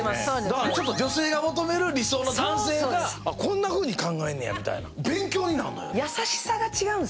だから、女性が求める理想の男性がこんなふうに考えるんやみたいな、勉強になるんですよ。